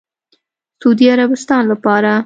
سعودي عربستان لپاره